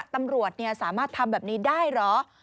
ตำรวจสามารถทำแบบนี้ได้เหรอ